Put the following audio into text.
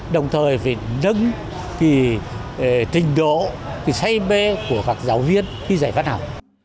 đồng thời phải nâng tình độ cái say mê của các giáo viên khi dạy văn học